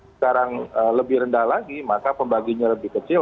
sekarang lebih rendah lagi maka pembaginya lebih kecil